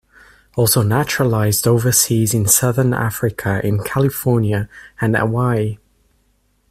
Also naturalised overseas in southern Africa, in California and Hawaii.